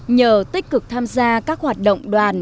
nhờ tích cực tham gia các hoạt động đoàn